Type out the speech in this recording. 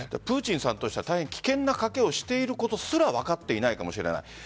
プーチンさんとしては大変危険な賭けをしていることすら分かっていないかもしれない。